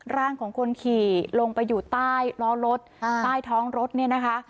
ร่างของคนขี่ลงไปอยู่ใต้ล้อรถใต้ท้องรถเนี่ยนะคะ